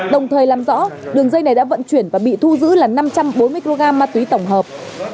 đồng thời làm rõ đường dây này đã vận chuyển và bị thu giữ là năm trăm bốn mươi kg ma túy tổng hợp